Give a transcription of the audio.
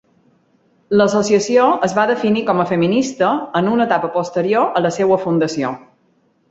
L'associació es va definir com a feminista en una etapa posterior a la seua fundació.